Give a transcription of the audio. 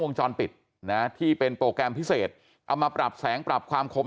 วงจรปิดนะที่เป็นโปรแกรมพิเศษเอามาปรับแสงปรับความคม